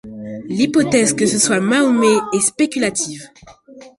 L’hypothèse que ce soit Mahomet est spéculative.